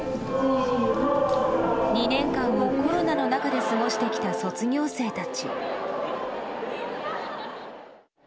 ２年間をコロナの中で過ごしてきた卒業生たち。